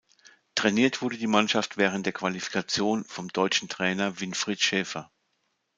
Trainiert wurde die Mannschaft während der Qualifikation vom deutschen Trainer Winfried Schäfer.